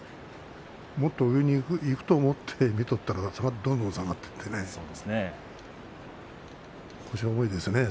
もっと上に行くと思って見とったらどんどん下がっていってね。